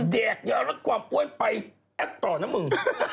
แดกยาลดความอ้วนไปแอดต่อนะมึง